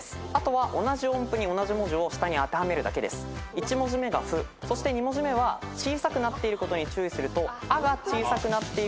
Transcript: １文字目が「フ」そして２文字目は小さくなっていることに注意すると「ア」が小さくなっているので。